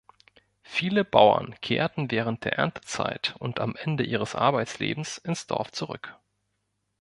Viele Bauern kehrten während der Erntezeit und am Ende ihres Arbeitslebens ins Dorf zurück.